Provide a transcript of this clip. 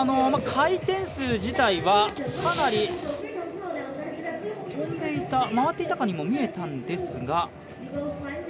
回転数自体はかなり飛んでいた回っていたかにも見えたんですが。